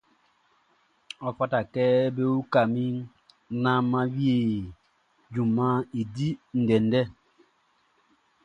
Ɔ fata kɛ be uka min naan mʼan wie junmanʼn i di ndɛndɛ.